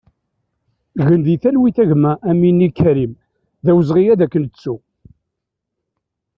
Gen di talwit a gma Amini Karim, d awezɣi ad k-nettu!